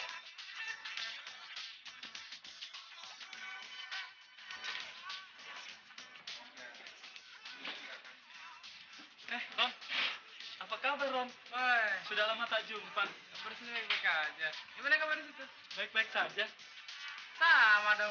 hai eh apa kabar om sudah lama tak jumpa bersih aja gimana kabarnya baik baik saja sama dong